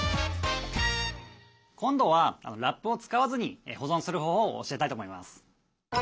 今度はラップを使わずに保存する方法を教えたいと思います。